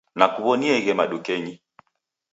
Nakuw'onieghe madukenyi.